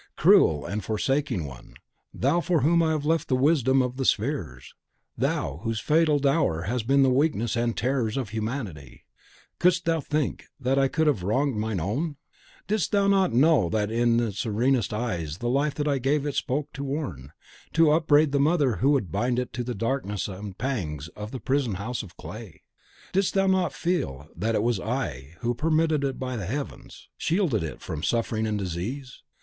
Cruel and forsaking one, thou for whom I left the wisdom of the spheres; thou whose fatal dower has been the weakness and terrors of humanity, couldst thou think that young soul less safe on earth because I would lead it ever more up to heaven! Didst thou think that I could have wronged mine own? Didst thou not know that in its serenest eyes the life that I gave it spoke to warn, to upbraid the mother who would bind it to the darkness and pangs of the prison house of clay? Didst thou not feel that it was I who, permitted by the Heavens, shielded it from suffering and disease?